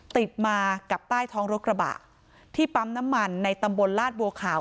ติดมากับใต้ท้องรถกระบะที่ปั๊มน้ำมันในตำบลลาดบัวขาว